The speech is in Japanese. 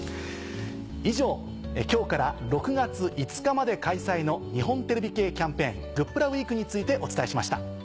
以上今日から６月５日まで開催の日本テレビ系キャンペーン「グップラウィーク」についてお伝えしました。